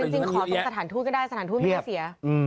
จริงขอสถานทู้ก็ได้สถานทู้ไม่ได้เสีย